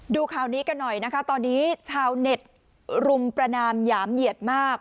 ดูข่าวนี้กันหน่อยนะคะตอนนี้ชาวเน็ตรุมประนามหยามเหยียดมาก